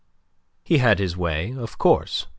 He had his way, of course. M.